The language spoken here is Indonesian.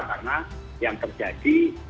karena yang terjadi